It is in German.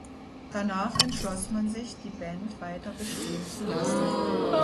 Danach entschloss man sich, die Band weiter bestehen zu lassen.